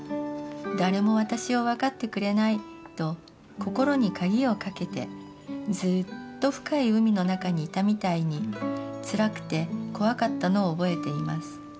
『誰も私を分かってくれない』と心にカギをかけてずっと深い海の中にいたみたいに辛くて怖かったのを覚えています。